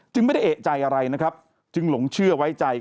ไม่ได้เอกใจอะไรนะครับจึงหลงเชื่อไว้ใจ